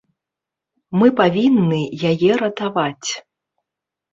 Мы павінны яе ратаваць.